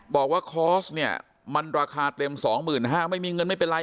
บอกว่าคอร์สเนี่ยมันราคาเต็ม๒๕๐๐บาทไม่มีเงินไม่เป็นไร